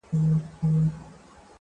یار چې پـه دا رنـگ ښــکلی سـینګار کوي